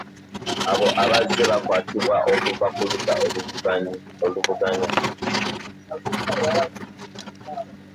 Abo abazze bakwatibwa okuva ku ludda oluvuganya